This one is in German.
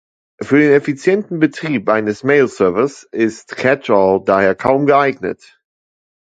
Für den effizienten Betrieb eines Mail-Servers ist Catch-All daher kaum geeignet.